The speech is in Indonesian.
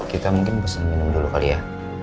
kita mungkin pesan minum dulu kali ya